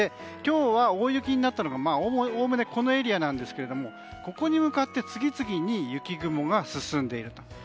今日は大雪になったのがおおむねこのエリアなんですがここに向かって次々に雪雲が進んでいると。